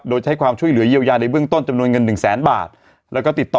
โดยใช้ความช่วยเหลือเยียวยาในเบื้องต้นจำนวนเงินหนึ่งแสนบาทแล้วก็ติดต่อ